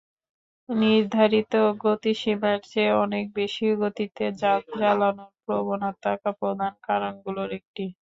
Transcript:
নির্ধারিত গতিসীমার চেয়ে অনেক বেশি গতিতে যান চালানোর প্রবণতা প্রধান কারণগুলোর একটি।